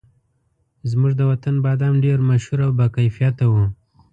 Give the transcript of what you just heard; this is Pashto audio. زموږ د وطن بادام ډېر مشهور او باکیفیته وو.